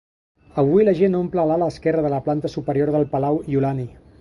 Avui la gent omple l'ala esquerra de la planta superior del Palau Iolani.